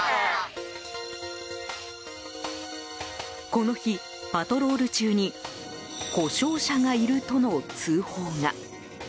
この日、パトロール中に故障車がいるとの通報が。